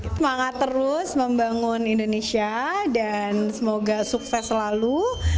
semangat terus membangun indonesia dan semoga sukses selalu